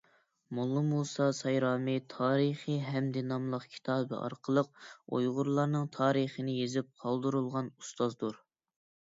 موللا مۇسا سايرامى «تارىخى ھەمىدى» ناملىق كىتابى ئارقىلىق ئۇيغۇرلارنىڭ تارىخىنى يېزىپ قالدۇرغان ئۇستازدۇر.